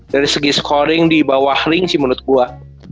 dari segi scoring di bawah link sih menurut gue